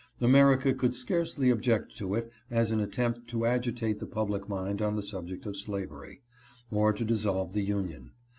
America could scarcely object to it as an at tempt to agitate the public mind on the subject of slavery, or to dissolve the Union.